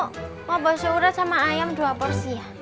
aku mau bakso urat sama ayam dua porsi ya